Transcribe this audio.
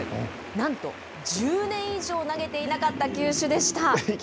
なんと１０年以上投げていなかった球種でした。